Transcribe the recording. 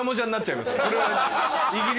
それは。